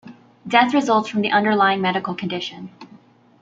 Death results from the underlying medical condition.